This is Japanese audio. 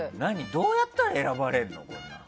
どうやったら選ばれるの？